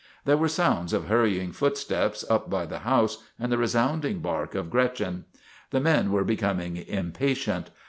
There were sounds of hurrying footsteps up by the house and the resounding bark of Gretchen. The men were becoming impatient.